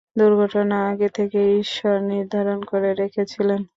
দুর্ঘটনাটা আগে থেকেই ঈশ্বর নির্ধারণ করে রেখেছিলেন।